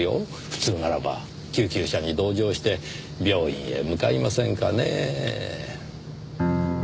普通ならば救急車に同乗して病院へ向かいませんかねぇ。